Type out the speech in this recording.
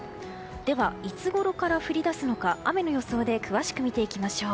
では、いつごろから降り出すのか雨の予想で詳しく見ていきましょう。